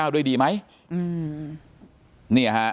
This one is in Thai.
ด้วยดีไหม